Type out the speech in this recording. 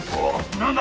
何だ？